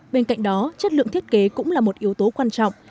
bên cạnh đó chất lượng thiết kế cũng là một yếu tố quan trọng